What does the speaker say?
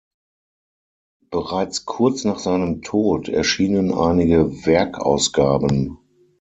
Bereits kurz nach seinem Tod erschienen einige Werkausgaben.